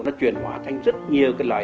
nó truyền hóa thành rất nhiều cái loại